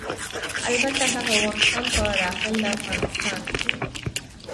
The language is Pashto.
البته هغه وخت هم په داخل د افغانستان کې